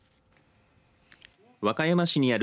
和歌山市にある